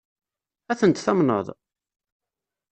Ad tent-tamneḍ?